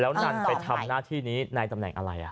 แล้วนันไปทำหน้าที่นี้ในตำแหน่งอะไร